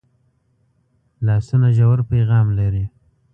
لاسونه ژور پیغام لري